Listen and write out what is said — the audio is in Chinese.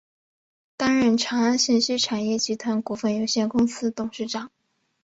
担任长安信息产业集团股份有限公司董事长。